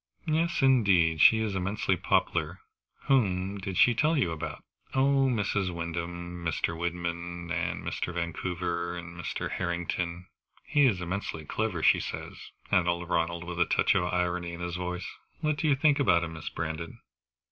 "Yes indeed, she is immensely popular. Whom did she tell you about?" "Oh Mrs. Wyndham, and Mr. Wyndham, and Mr. Vancouver, and Mr. Harrington. He is immensely clever, she says," added Ronald, with a touch of irony in his voice. "What do you think about him, Miss Brandon?"